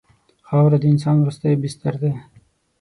خاوره د انسان وروستی بستر دی.